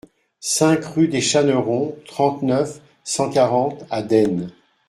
cinq rue des Chanerons, trente-neuf, cent quarante à Desnes